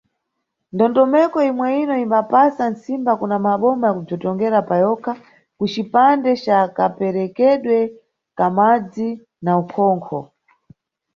Ndondomeko imweyino imbapasa ntsimba kuna maboma ya kubzitongera payokha kucipande ca kaperekedwe ka madzi na ukhonkho.